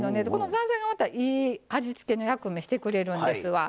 ザーサイが、これまたいい味付けの役目をしてくれるんですわ。